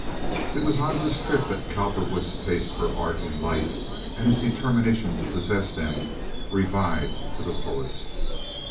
It was on this trip that Cowperwood's taste for art and life and his determination to possess them revived to the fullest.